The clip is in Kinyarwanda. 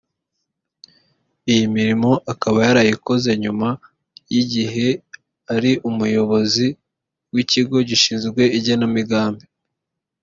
iyi mirimo akaba yarayikoze nyuma y’igihe ari Umuyobozi w’Ikigo gishinzwe igenamigambi